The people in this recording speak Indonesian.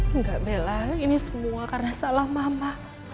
enggak bella ini semua karena salah mama